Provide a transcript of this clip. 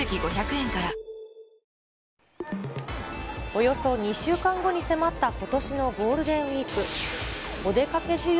およそ２週間後に迫ったことしのゴールデンウィーク。